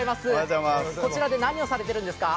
こちらで何をされているんですか？